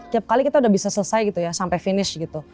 tiap kali kita udah bisa selesai gitu ya sampai finish gitu